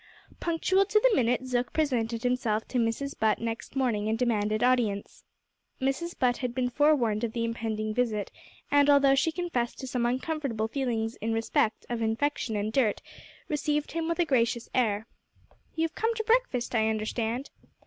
Punctual to the minute Zook presented himself to Mrs Butt next morning and demanded audience. Mrs Butt had been forewarned of the impending visit, and, although she confessed to some uncomfortable feelings in respect of infection and dirt, received him with a gracious air. "You've come to breakfast, I understand?"